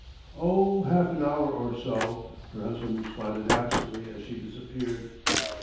"Oh, half an hour or so," her husband responded absently as she disappeared.